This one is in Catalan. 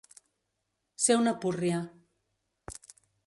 Ser una púrria.